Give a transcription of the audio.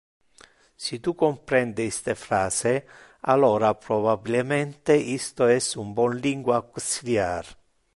Si tu comprende iste phrase, alora probabilemente isto es un bon lingua auxiliar.